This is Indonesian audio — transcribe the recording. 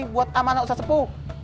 buat amanah ustadz sepu